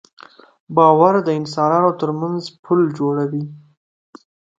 باور د انسانانو تر منځ پُل جوړوي.